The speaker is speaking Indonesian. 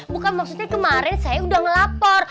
bukan maksudnya kemarin saya udah ngelapor